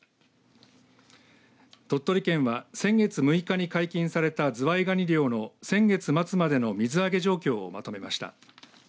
鳥取県は先月６日に解禁されたズワイガニ漁の先月末までの水揚げ状況をまとめました。